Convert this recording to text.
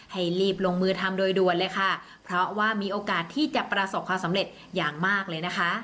ให้รีบลงมือทำโดยด่วนเลยค่ะเพราะว่ามีโอกาสที่จะประสบความสำเร็จอย่างมากเลยนะคะ